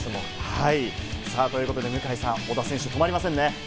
ということで向井さん、小田選手止まりませんね。